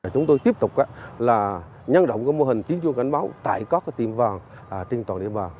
chúng tôi tiếp tục nhân động mô hình tiếng chuông cảnh báo tại các tiệm vàng trên toàn địa bàn